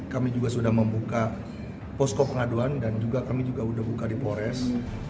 kami juga sudah membuka posko pengaduan dan kami juga sudah membuka di polres